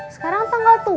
sekarang tanggal dua